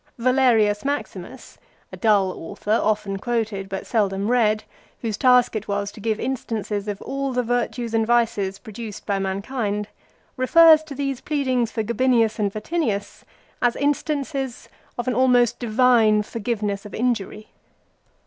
Valerius Maximus, a dull author often quoted but seldom read, whose task it was to give instances of all the virtues and vices produced by mankind, refers to these pleadings for Gabinius and Vatinius as instances of an almost divine forgiveness of injury.